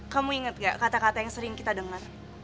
kamu ingat gak kata kata yang sering kita dengar